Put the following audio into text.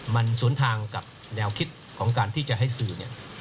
มันสวนทางกับแนวคิดของการที่จะให้สื่อเนี่ย